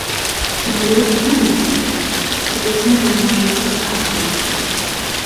Un ja jūs to nedosiet, tad jūs nedomājiet vispār par Latviju.